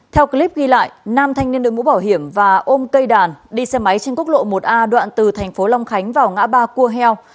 theo clip ghi lại nam thanh niên đội mũ bảo hiểm và ôm cây đàn đi xe máy trên quốc lộ một a đoạn từ thành phố long khánh vào ngã ba cua heo